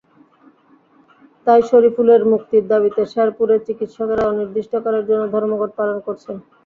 তাই শরীফুলের মুক্তির দাবিতে শেরপুরের চিকিৎসকেরা অনির্দিষ্টকালের জন্য ধর্মঘট পালন করছেন।